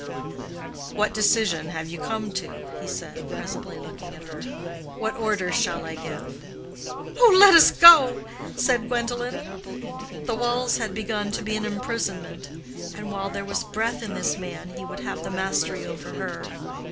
"What decision have you come to?" he said, presently looking at her. "What orders shall I give?" "Oh, let us go," said Gwendolen. The walls had begun to be an imprisonment, and while there was breath in this man he would have the mastery over her.